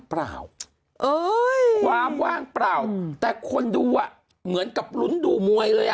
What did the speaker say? เปล่าเอ้ยความว่างเปล่าแต่คนดูอ่ะเหมือนกับลุ้นดูมวยเลยอ่ะ